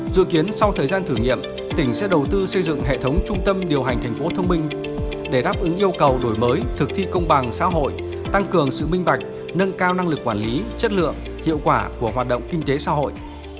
dự kiến sau thời gian thử nghiệm tỉnh sẽ đầu tư xây dựng hệ thống trung tâm điều hành thành phố thông minh để đáp ứng yêu cầu đổi mới thực thi công bằng xã hội tăng cường sự minh bạch nâng cao năng lực quản lý chất lượng hiệu quả của hoạt động kinh tế xã hội